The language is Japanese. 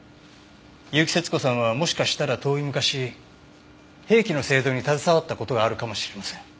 結城節子さんはもしかしたら遠い昔兵器の製造に携わった事があるかもしれません。